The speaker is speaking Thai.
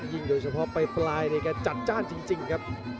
ยิงโดยเฉพาะไปปลายจัดจ้านจริงครับ